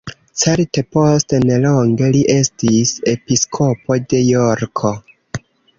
Certe post nelonge li estis episkopo de Jorko.